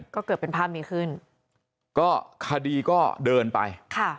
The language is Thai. ก็เกิดเป็นภาพนี้ขึ้นก็คดีก็เดินไปค่ะ